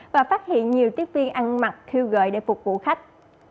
và phát hiện nhiều tiết viên ăn mặc thiêu gợi để phục vụ khách